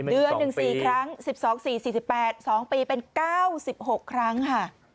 เดือน๑๔ครั้ง๑๒๔๔๘๒ปีเป็น๙๖ครั้งค่ะ